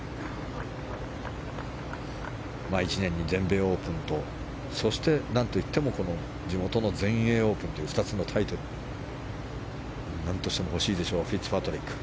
１年に全米オープンとそして何といってもこの地元の全英オープンという２つのタイトルは何としても欲しいでしょうフィッツパトリック。